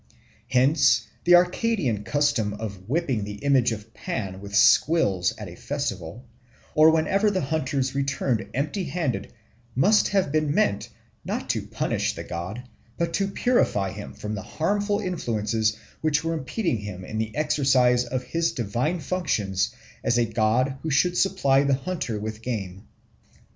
Hence the Arcadian custom of whipping the image of Pan with squills at a festival, or whenever the hunters returned empty handed, must have been meant, not to punish the god, but to purify him from the harmful influences which were impeding him in the exercise of his divine functions as a god who should supply the hunter with game.